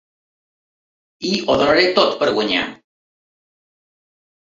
I ho donaré tot per guanyar.